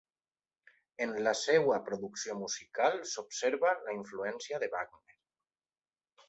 En la seva producció musical s'observa la influència de Wagner.